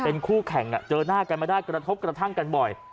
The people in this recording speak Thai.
เป็นคู่แข่งเจอหน้ากันไม่ได้กระทบกระทั่งกันบ่อย